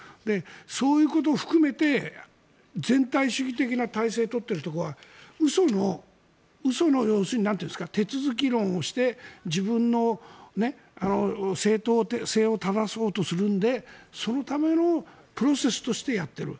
そういうことを含めて全体主義的な体制を取っているところは嘘の手続き論をして自分の正当性を正そうとするのでそのためのプロセスとしてやっている。